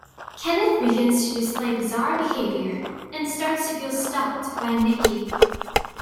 Kenneth begins to display bizarre behavior, and starts to feel stalked by Nikki.